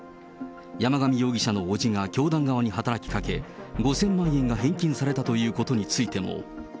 山上容疑者の伯父が教団側に働きかけ、５０００万円が返金されたということについても。